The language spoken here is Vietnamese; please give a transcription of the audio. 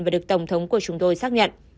và được tổng thống của chúng tôi xác nhận